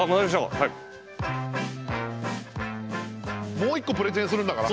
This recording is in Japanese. もう一個プレゼンするんだから。